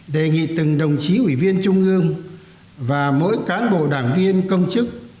đề nghị từng đồng chí ủy viên trung ương và mỗi cán bộ đảng viên công chức